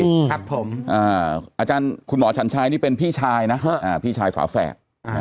ครับผมอาจารย์คุณหมอฉันชายนี่เป็นพี่ชายนะพี่ชายฝาแฝด